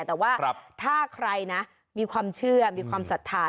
แต่ว่าถ้าใครนะมีความเชื่อมีความศรัทธา